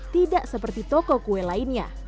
tidak seperti toko kue lainnya